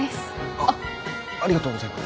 ありがとうございます。